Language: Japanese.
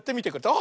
あ！